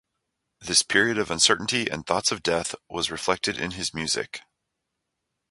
This period of uncertainty and thoughts of death was reflected in his music.